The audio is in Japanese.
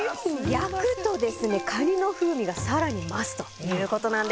焼くとですねカニの風味がさらに増すということなんです。